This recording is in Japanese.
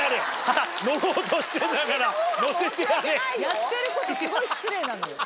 やってることすごい失礼なのよ。